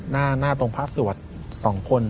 นั่นตรงพระศัวริย์ส่วน๒คน